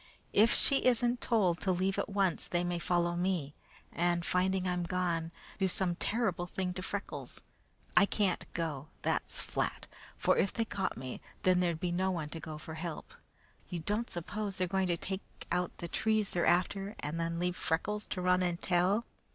If she isn't told to leave at once, they may follow me, and, finding I'm gone, do some terrible thing to Freckles. I can't go that's flat for if they caught me, then there'd be no one to go for help. You don't suppose they are going to take out the trees they're after and then leave Freckles to run and tell?